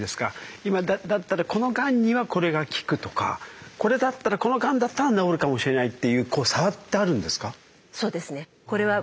今だったらこのがんにはこれが効くとかこれだったらこのがんだったら治るかもしれないっていうこう差ってあるんですか？